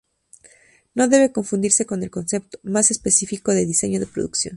No debe confundirse con el concepto, más específico, de diseño de producción.